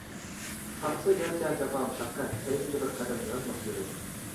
تارتسا گەرچە جاپا-مۇشەققەت، كەينىگە بىر قەدەم يانماس يۈرەك.